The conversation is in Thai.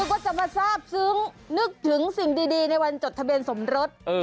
ก็จะมาทราบซึ้งนึกถึงสิ่งดีในวันจดทะเบียนสมรส